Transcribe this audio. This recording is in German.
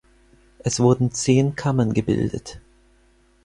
Es wurden zehn Kammern gebildet.